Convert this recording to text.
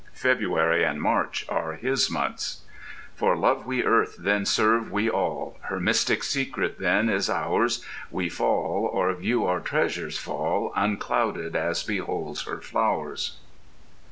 February and March are his months: For love we Earth then serve we all; Her mystic secret then is ours: We fall, or view our treasures fall, Unclouded, as beholds her flowers.